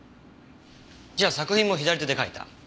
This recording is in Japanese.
じゃあ作品も左手で書いた。